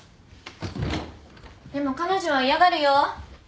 でも彼女は嫌がるよ。